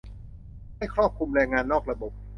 ให้ครอบคลุมแรงงานนอกระบบ